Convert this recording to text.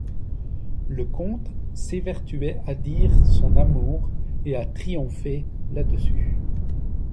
Le comte s'évertuait à dire son amour, et à triompher là-dessus.